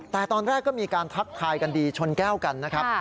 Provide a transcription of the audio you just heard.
แต่ตอนแรกก็มีการทักทายกันดีชนแก้วกันนะครับ